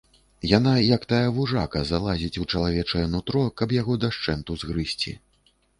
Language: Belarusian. Яна, як тая вужака, залазіць у чалавечае нутро, каб яго дашчэнту згрызці.